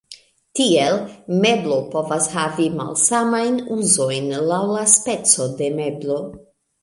Tiel, meblo povas havi malsamajn uzojn laŭ la speco de meblo.